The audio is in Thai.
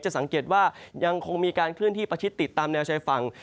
สังเกตว่ายังคงมีการเคลื่อนที่ประชิดติดตามแนวชายฝั่ง